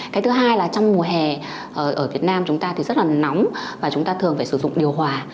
cái thứ hai là trong mùa hè ở việt nam chúng ta thì rất là nóng và chúng ta thường phải sử dụng điều hòa